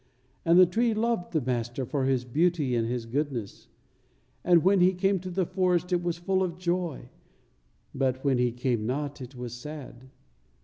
And the tree loved the Master for His beauty and His goodness; and when He came to the forest it was full of joy, but when He came not it was sad.